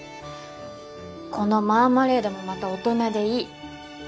このマーマレードもまた大人でいい。